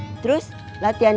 gue terlalu tenang